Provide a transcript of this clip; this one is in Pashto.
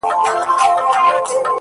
o خدايه له بـهــاره روانــېــږمه ـ